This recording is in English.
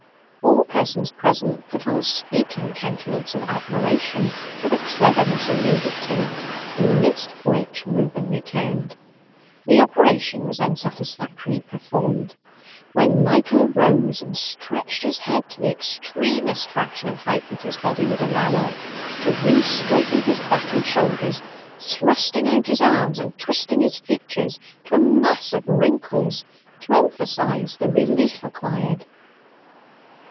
All persons present put on a speaking countenance of admiration for the cleverness alluded to, in the midst of which Reuben returned. The operation was then satisfactorily performed; when Michael arose and stretched his head to the extremest fraction of height that his body would allow of, to re straighten his back and shoulders thrusting out his arms and twisting his features to a mass of wrinkles to emphasize the relief aquired.